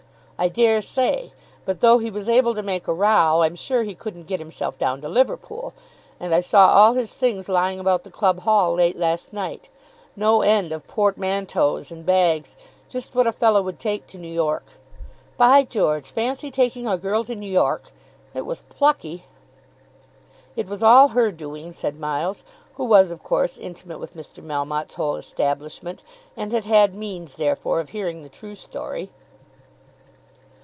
"I dare say. But though he was able to make a row, I'm sure he couldn't get himself down to Liverpool. And I saw all his things lying about the club hall late last night; no end of portmanteaux and bags; just what a fellow would take to New York. By George! Fancy taking a girl to New York! It was plucky." "It was all her doing," said Miles, who was of course intimate with Mr. Melmotte's whole establishment, and had had means therefore of hearing the true story.